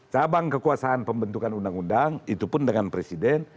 cabang kekuasaan pembentukan undang undang itu pun dengan presiden